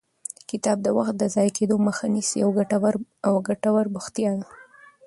کتاب د وخت د ضایع کېدو مخه نیسي او ګټور بوختیا ده.